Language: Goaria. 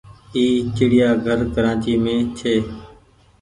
اي چڙيآ گهر ڪرآچي مين ڇي۔